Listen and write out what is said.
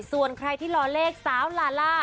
ส่วนใครที่รอเลขสาวลาล่า